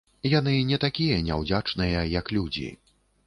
Яны не такія няўдзячныя, як людзі.